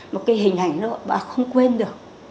một cái hình ảnh đó bà không quên được